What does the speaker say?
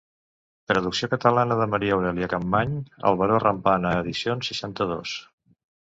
Traducció catalana de Maria Aurèlia Capmany El baró rampant a Edicions seixanta-dos.